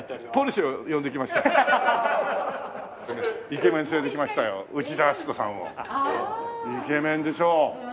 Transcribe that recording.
イケメンでしょ？